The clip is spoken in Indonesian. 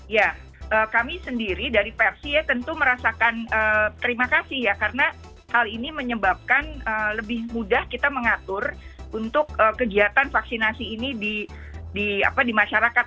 ya kami sendiri dari versi ya tentu merasakan terima kasih ya karena hal ini menyebabkan lebih mudah kita mengatur untuk kegiatan vaksinasi ini di masyarakat